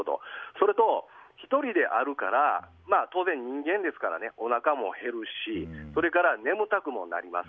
それと、１人であるから当然、人間ですからおなかも減るしそれから眠たくもなります。